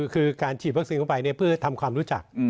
คือการฉีดวัคซีนเข้าไปเพื่อทำความรู้จัก